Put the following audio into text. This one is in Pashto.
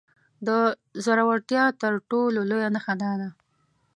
د زورورتيا تر ټولو لويه نښه دا ده.